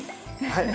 はい。